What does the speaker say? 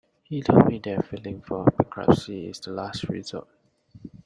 He told me that filing for bankruptcy is the last resort.